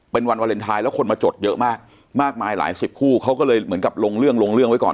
เป็นวันวาเลนไทยแล้วคนมาจดเยอะมากมากมายหลายสิบคู่เขาก็เลยเหมือนกับลงเรื่องลงเรื่องไว้ก่อน